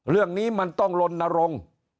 เรื่องนี้มันต้องลนรงค์